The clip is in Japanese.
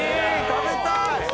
食べたい！